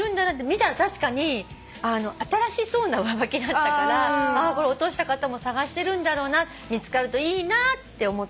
見たら確かに新しそうな上履きだったから落とした方も捜してるんだろうな見つかるといいなって思ったの。